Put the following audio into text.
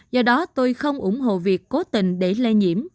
do đó tôi không ủng hộ việc cố tình để lây nhiễm